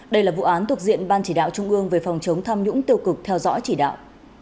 đây là vụ án thuộc diện ban chỉ đạo trung ương về phòng chống tham nhũng tiêu cực theo dõi chỉ đạo